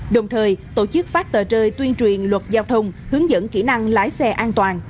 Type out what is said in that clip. đồng thời tổ chức phát tờ rơi tuyên truyền luật giao thông hướng dẫn kỹ năng lái xe an toàn